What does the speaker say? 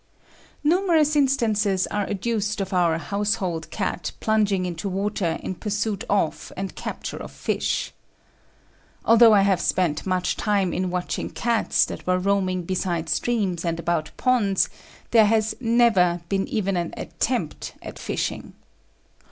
Numerous instances are adduced of our "household cat" plunging into water in pursuit of and capture of fish. Although I have spent much time in watching cats that were roaming beside streams and about ponds, there has never been even an attempt at "fishing."